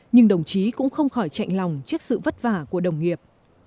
nhưng đồng chí cũng không khỏi chạy lòng trước sự vất vả của đồng nghiệp